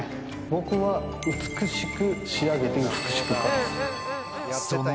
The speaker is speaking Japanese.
僕は美しく仕上げて、美しく勝つ。